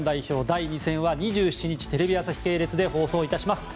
第２戦は２７日テレビ朝日系列で放送いたします。